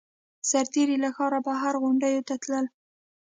سرتېري له ښاره بهر غونډیو ته تلل.